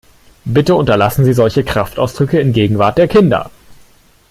Bitte unterlassen Sie solche Kraftausdrücke in Gegenwart der Kinder!